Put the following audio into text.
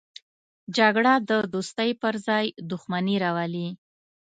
جګړه د دوستۍ پر ځای دښمني راولي